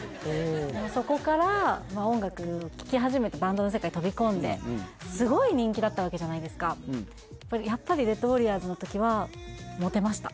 そこから音楽聴き始めてバンドの世界飛び込んですごい人気だったわけじゃないですかやっぱりＲＥＤＷＡＲＲＩＯＲＳの時はモテました？